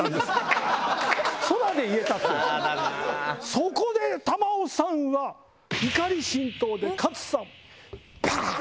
そこで玉緒さんは怒り心頭で勝さんをパン！